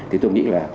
thì tôi nghĩ là